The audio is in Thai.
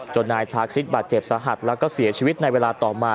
นายชาคริสบาดเจ็บสาหัสแล้วก็เสียชีวิตในเวลาต่อมา